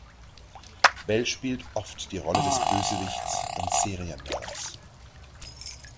Bell spielt oft die Rolle des Bösewichts und Serienmörders.